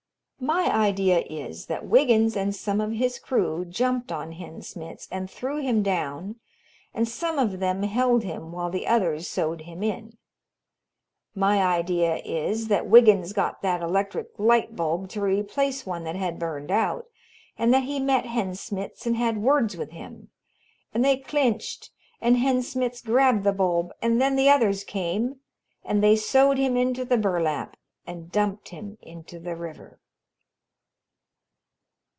"My idea is that Wiggins and some of his crew jumped on Hen Smitz and threw him down, and some of them held him while the others sewed him in. My idea is that Wiggins got that electric light bulb to replace one that had burned out, and that he met Hen Smitz and had words with him, and they clinched, and Hen Smitz grabbed the bulb, and then the others came, and they sewed him into the burlap and dumped him into the river.